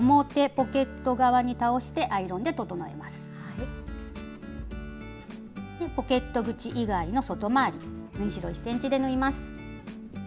ポケット口以外の外回りを縫い代１ｃｍで縫います。